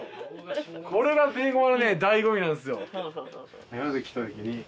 これがベーゴマのねぇだいご味なんっすよ